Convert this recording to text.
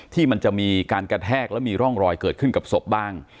ที่มันจะมีการกระแทกแล้วมีร่องรอยเกิดขึ้นกับศพบ้าง